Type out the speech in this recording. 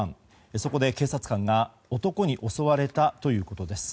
そこで警察が男に襲われたということです。